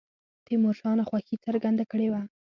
تیمور شاه ناخوښي څرګنده کړې وه.